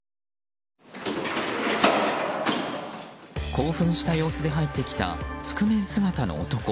興奮した様子で入ってきた覆面姿の男。